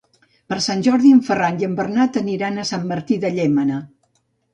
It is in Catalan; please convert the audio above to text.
Per Sant Jordi en Ferran i en Bernat aniran a Sant Martí de Llémena.